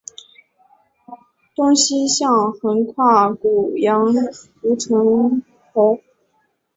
东西向横跨古杨吴城壕。